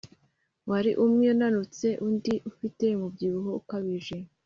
wari umwe unanutse undi ufite umubyibuho ukabije